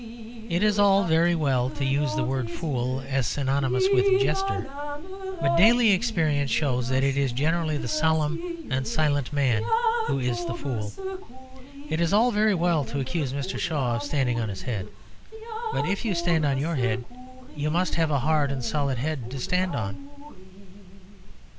It is all very well to use the word "fool" as synonymous with "jester"; but daily experience shows that it is generally the solemn and silent man who is the fool. It is all very well to accuse Mr. Shaw of standing on his head; but if you stand on your head you must have a hard and solid head to stand on.